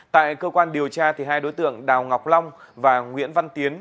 tại cơ quan điều tra hai đối tượng đào ngọc long và nguyễn văn tiến